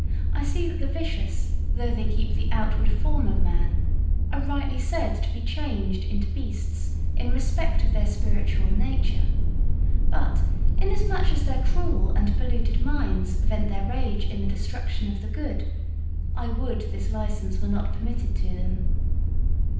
I see that the vicious, though they keep the outward form of man, are rightly said to be changed into beasts in respect of their spiritual nature; but, inasmuch as their cruel and polluted minds vent their rage in the destruction of the good, I would this license were not permitted to them.'